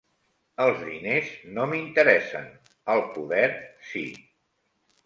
Els diners no m'interessen; el poder sí.